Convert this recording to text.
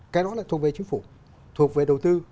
cái đó là thuộc về chính phủ thuộc về đầu tư